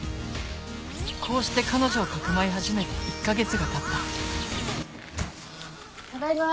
こうして彼女を匿い始めて１か月がたったただいま。